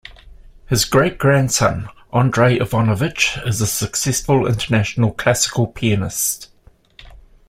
His great-grandson Andrei Ivanovitch is a successful international classical pianist.